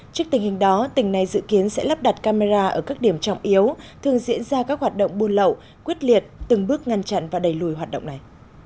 trước tình hình đó tỉnh này dự kiến sẽ lắp đặt camera ở các điểm trọng yếu thường diễn ra các hoạt động buôn lậu quyết liệt từng bước ngăn chặn và đẩy lùi hoạt động này